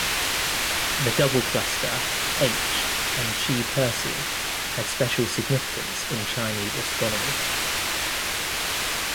The Double Cluster, h and Chi Persei, had special significance in Chinese astronomy.